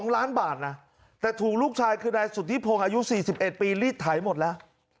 ๒ล้านบาทนะแต่ถูกลูกชายคือนายสุธิพงศ์อายุ๔๑ปีรีดไถหมดแล้ว